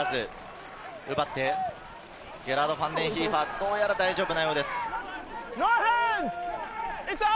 ゲラード・ファンデンヒーファー、どうやら大丈夫なようです。